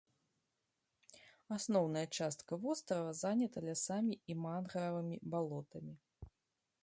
Асноўная частка вострава занята лясамі і мангравымі балотамі.